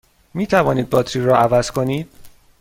می توانید باتری را عوض کنید؟